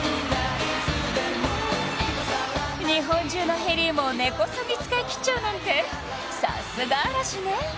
いつでもいまさら日本中のヘリウムを根こそぎ使い切っちゃうなんてさすが嵐ね